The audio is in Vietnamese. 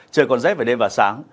trời còn rét về đêm và sáng